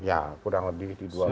ya kurang lebih di dua puluh